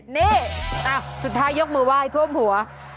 นี่สุดท้ายยกมือไหว้ท่วมหัว